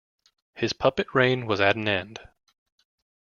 His puppet reign was at an end.